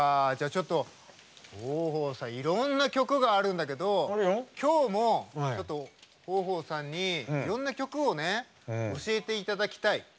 豊豊さん、いろんな曲があるんだけどきょうも、ちょっと豊豊さんにいろんな曲を教えていただきたい。